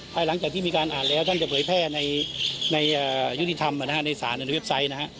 ภายหลังจากที่มีการอ่านแล้วท่านจะเผยแพร่ในยุติธรรมในศาลในเว็บไซต์นะฮะ